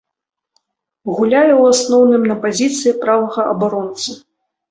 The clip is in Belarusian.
Гуляе, у асноўным, на пазіцыі правага абаронцы.